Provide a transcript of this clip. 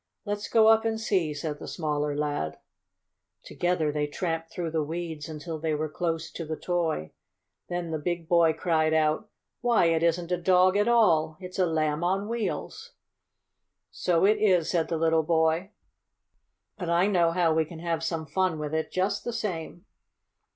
"Let's go up and see," said the smaller lad. Together they tramped through the weeds until they were close to the toy. Then the big boy cried out: "Why, it isn't a dog at all! It's a Lamb on Wheels!" "So it is!" said the little boy. "But I know how we can have some fun with it, just the same!"